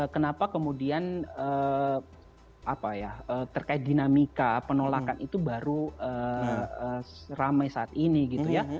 kenapa kemudian apa ya terkait dinamika penolakan itu baru ramai saat ini gitu ya